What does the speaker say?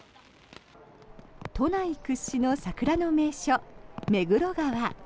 都内屈指の桜の名所、目黒川。